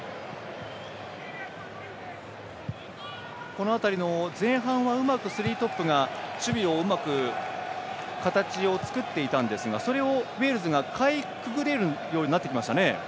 この辺りの前半はうまくスリートップが守備の形を作っていたんですがそれをウェールズがかいくぐれるようになってきましたね。